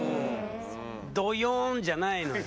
どよんじゃないのよ。